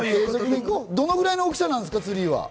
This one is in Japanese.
どのくらいの大きさなんです